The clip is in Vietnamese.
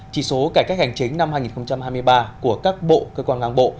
chỉ số cải cách hành chính năm hai nghìn hai mươi ba của các bộ cơ quan ngang bộ